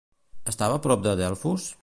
Estava a prop de Delfos?